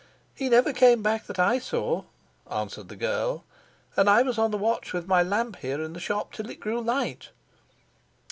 "He never came back that I saw," answered the girl. "And I was on the watch with my lamp here in the shop till it grew light."